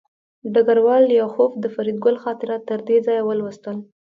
ډګروال لیاخوف د فریدګل خاطرات تر دې ځایه ولوستل